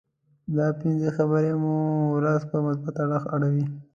دا پنځه خبرې مو ورځ په مثبت اړخ اړوي.